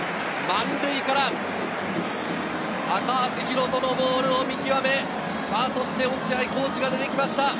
満塁から高橋宏斗のボールを見極め、そして落合コーチが出てきました。